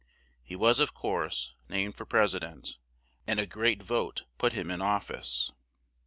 He was, of course, named for pres i dent and a great vote put him in of fice.